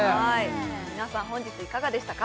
皆さん本日いかがでしたか？